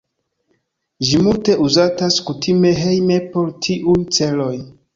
Ĝi multe uzatas kutime hejme por tiuj celoj.